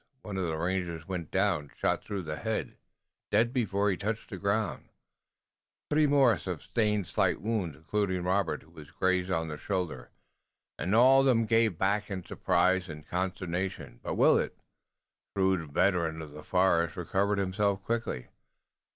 One of the rangers went down, shot through the head, dead before he touched the ground, three more sustained slight wounds, including Robert who was grazed on the shoulder, and all of them gave back in surprise and consternation. But Willet, shrewd veteran of the forest, recovered himself quickly.